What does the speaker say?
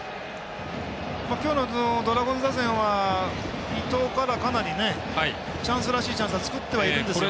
今日のドラゴンズ打線は伊藤からかなりチャンスらしいチャンスは作ってはいるんですけど。